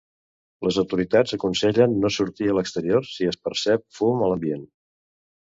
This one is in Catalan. Les autoritats aconsellen no sortir a l'exterior si es percep fum a l'ambient.